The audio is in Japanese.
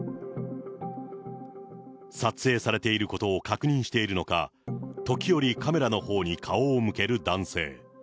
撮影されていることを確認しているのか、時折、カメラのほうに顔を向ける男性。